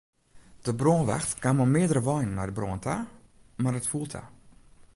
De brânwacht kaam mei meardere weinen nei de brân ta, mar it foel ta.